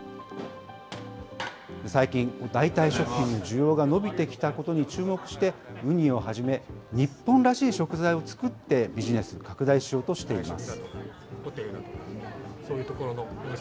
最近、代替食品の需要が伸びてきたことに注目して、ウニをはじめ、日本らしい食材を作って、ビジネスを拡大しようとしています。